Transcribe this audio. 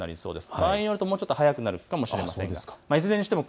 場合によるともうちょっと早くなるかもしれません。